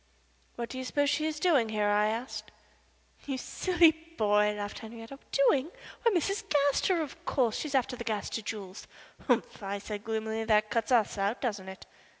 "What do you suppose she is doing here?" I asked. "You silly boy," laughed Henriette. "Doing? Why, Mrs. Gaster, of course. She is after the Gaster jewels." "Humph!" I said, gloomily. "That cuts us out, doesn't it?"